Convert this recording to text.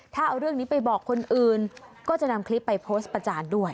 ถ้าเอาเรื่องนี้ไปบอกคนอื่นก็จะนำคลิปไปโพสต์ประจานด้วย